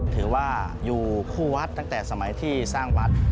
ถือว่าอยู่คู่วัดตั้งแต่สมัยที่สร้างวัด